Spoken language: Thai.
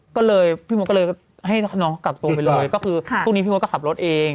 ก็เลยพี่มดก็เลยให้น้องกลับตัวไปเลยก็คือพรุ่งนี้พี่มดก็ขับรถเอง